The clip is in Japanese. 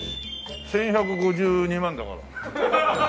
１４５２万だから。